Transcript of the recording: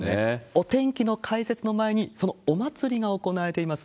お天気の解説の前に、そのお祭りが行われています